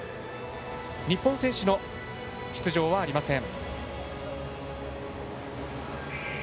日本選手の出場はありません。